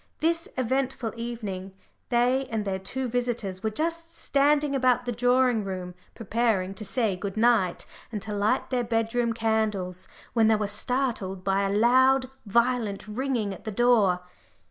This eventful evening they and their two visitors were just standing about the drawing room, preparing to say good night and to light their bed room candles, when they were startled by a loud violent ringing at the door.